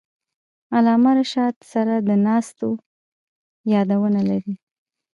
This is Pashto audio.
علامه رشاد سره د ناستو یادونه لري.